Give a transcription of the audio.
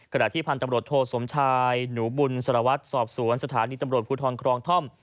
ขณะที่พันธุ์ตำรวจโทสมชายหนูบุญสารวัตรสอบสวนสถานีตำรวจภูทรครองท่อม